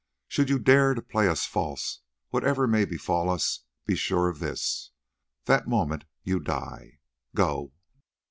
Should you dare to play us false, whatever may befall us, be sure of this, that moment you die. Go!"